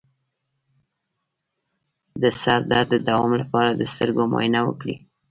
د سر درد د دوام لپاره د سترګو معاینه وکړئ